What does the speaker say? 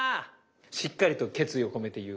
しっかりと決意を込めて言う。